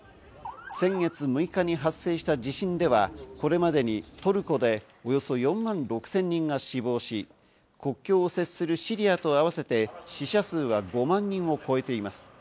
先月６日に発生した地震ではこれまでにトルコでおよそ４万６０００人が死亡し、国境を接するシリアと合わせて死者数は５万人を超えています。